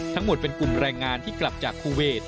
ทั้งหมดเป็นกลุ่มแรงงานที่กลับจากคูเวท